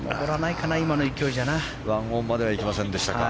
１オンまでは行きませんでしたか。